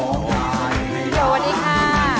สวัสดีค่ะ